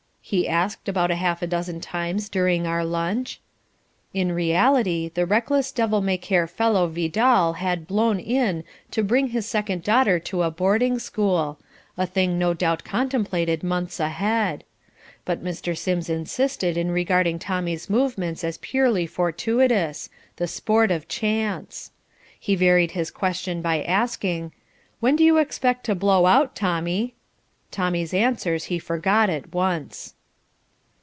he asked about half a dozen times during our lunch. In reality, the reckless, devil may care fellow Vidal had "blown in" to bring his second daughter to a boarding school a thing no doubt contemplated months ahead. But Mr. Sims insisted in regarding Tommy's movements as purely fortuitous, the sport of chance. He varied his question by asking "When do you expect to 'blow out' Tommy?" Tommy's answers he forgot at once.